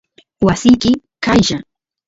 wasiki qaylla